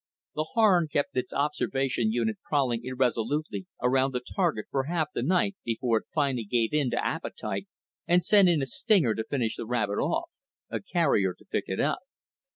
The Harn kept its observation unit prowling irresolutely around the target for half the night before it finally gave in to appetite and sent in a stinger to finish the rabbit off, a carrier to pick it up.